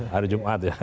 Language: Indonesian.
hari jumat ya